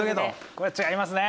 これは違いますね。